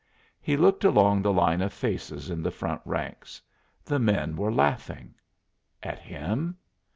He looked along the line of faces in the front ranks. The men were laughing. At him?